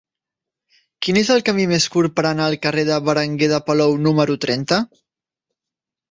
Quin és el camí més curt per anar al carrer de Berenguer de Palou número trenta?